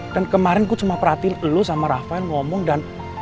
dan kemarin gue cuma perhatiin lo sama rafael ngomong dan